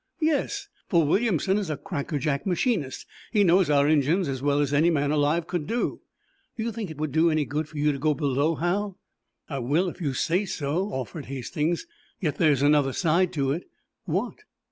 "Yes; for Williamson is a crackerjack machinist. He knows our engines as well as any man alive could do." "Do you think it would do any good for you to go below, Hal?" "I will, if you say so," offered Hastings. "Yet there's another side to it." "What?"